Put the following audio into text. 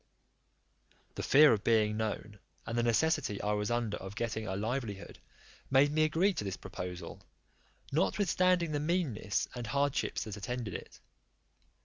The fear of being known, and the necessity I was under of getting a livelihood, made me agree to this proposal, notwithstanding the meanness and hardships that attended it.